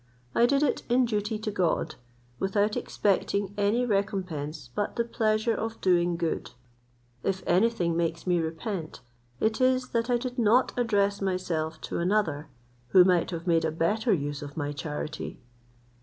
I did it in duty to God, without expecting any recompense but the pleasure of doing good. If any thing makes me repent, it is, that I did not address myself to another, who might have made a better use of my charity."